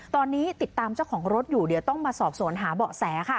ตอนนี้ติดตามเจ้าของรถอยู่เดี๋ยวต้องมาสอบสวนหาเบาะแสค่ะ